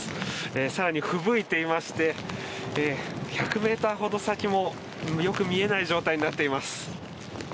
更にふぶいていまして１００ｍほど先もよく見えない状態になっています。